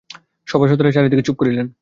সভাসদেরা চারি দিকে চুপ করিলেন।